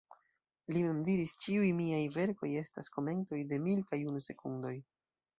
Li mem diris "Ĉiuj miaj verkoj estas komentoj de Mil kaj unu sekundoj"